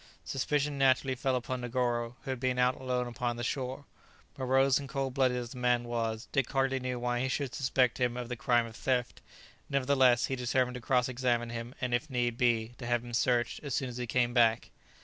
Suspicion naturally fell upon Negoro, who had been out alone upon the shore. Morose and cold blooded as the man was, Dick hardly knew why he should suspect him of the crime of theft; nevertheless, he determined to cross examine him, and, if need be, to have him searched, as soon as he came back.